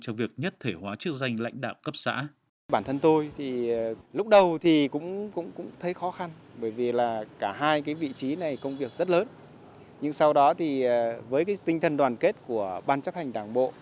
trong việc nhất thể hóa chức danh lãnh đạo cấp xã